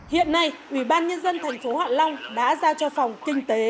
hiện nay ủy ban nhân dân thành phố họa long đã ra cho phòng kinh tế